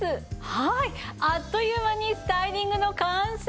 はいあっという間にスタイリングの完成です！